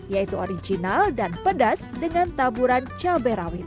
yaitu original dan pedas dengan taburan cabai rawit